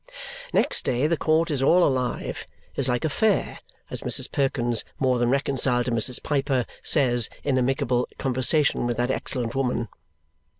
Next day the court is all alive is like a fair, as Mrs. Perkins, more than reconciled to Mrs. Piper, says in amicable conversation with that excellent woman.